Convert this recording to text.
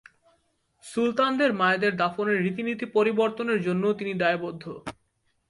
সুলতানদের মায়েদের দাফনের রীতিনীতি পরিবর্তনের জন্যও তিনি দায়বদ্ধ।